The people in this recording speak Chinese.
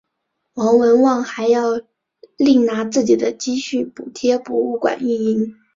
王文旺还要另拿自己的积蓄补贴博物馆运营。